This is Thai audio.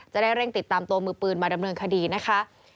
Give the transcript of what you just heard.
จะได้เร่งติดตามตัวมือปืนมาดำเนินคดีนะคะ